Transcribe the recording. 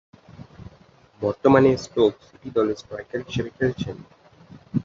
বর্তমানে Stoke City দলে striker হিসেবে খেলছেন।